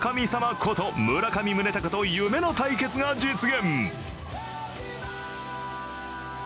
こと村上宗隆と夢の対決が実現。